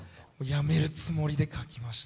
やめるつもりで書きました。